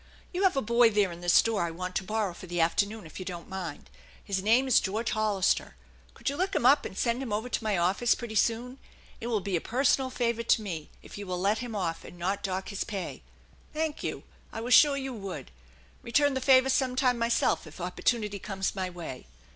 You have a boy there in the store I want to borrow for the afternoon if you don't mind. His name is George Hollister. Could you look him up and send him over to my office pretty soon ? It will be a personal favor to me if you will let him off and not dock his pay. Thank you ! I was sure you would. Return the favor sometime myself if opportunity comes my way.